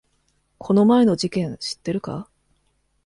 この前の事件知ってるか？